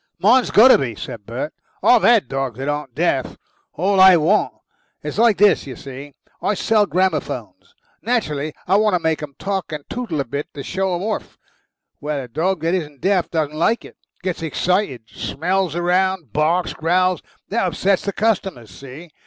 "Mine's got to be," said Bert. "I've HAD dogs that aren't deaf. All I want. It's like this, you see I sell gramophones. Naturally I got to make 'em talk and tootle a bit to show 'em orf. Well, a dog that isn't deaf doesn't like it gets excited, smells round, barks, growls. That upsets the customer. See?